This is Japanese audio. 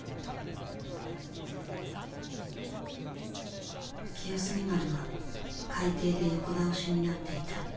清澄丸は海底で横倒しになっていた。